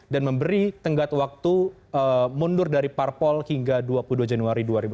dan memberi tenggat waktu mundur dari parpol hingga dua puluh dua januari dua ribu sembilan belas